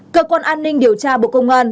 cơ quan an ninh điều tra bộ công an